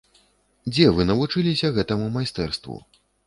Дзе вы навучыліся гэтаму майстэрству?